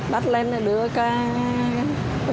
bắt lên đưa vào